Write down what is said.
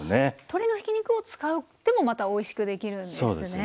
鶏のひき肉を使ってもまたおいしくできるんですね。